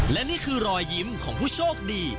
และนี่คือรอยยิ้มของผู้โชคดี